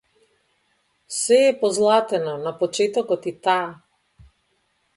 Сѐ е позлатено, на почетокот и таа.